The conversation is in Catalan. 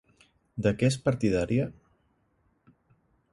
De què és partidària?